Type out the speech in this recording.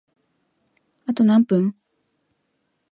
あと何分？